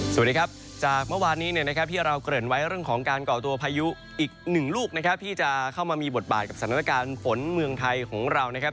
สวัสดีครับจากเมื่อวานนี้เนี่ยนะครับที่เราเกริ่นไว้เรื่องของการก่อตัวพายุอีกหนึ่งลูกนะครับที่จะเข้ามามีบทบาทกับสถานการณ์ฝนเมืองไทยของเรานะครับ